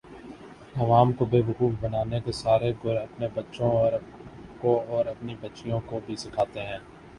عوام کو بیوقوف بنانے کے سارے گُر اپنے بچوں کو اور اپنی بچیوں کو بھی سیکھاتے ہیں